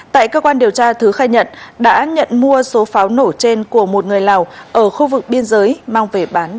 tại cơ quan điều tra thứ khai nhận đã nhận mua số pháo nổ trên của một người lào ở khu vực biên giới mang về bán